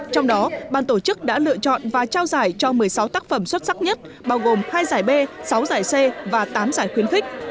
trong đó ban tổ chức đã lựa chọn và trao giải cho một mươi sáu tác phẩm xuất sắc nhất bao gồm hai giải b sáu giải c và tám giải khuyến khích